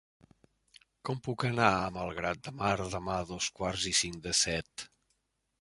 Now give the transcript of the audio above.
Com puc anar a Malgrat de Mar demà a dos quarts i cinc de set?